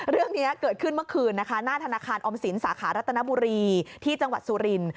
เรื่องนี้เกิดขึ้นเมื่อคืนนะคะหน้าธนาคารออมสินสาขารัตนบุรีที่จังหวัดสุรินทร์